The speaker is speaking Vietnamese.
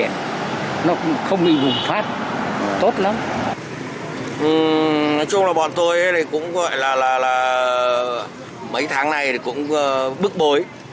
nói chung là bọn tôi cũng gọi là mấy tháng này cũng bức bối